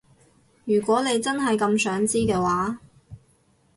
如果你真係咁想知嘅話